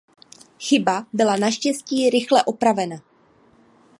Chyba byla naštěstí rychle opravena.